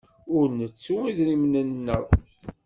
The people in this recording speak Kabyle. Ur nettu idrimen-nneɣ.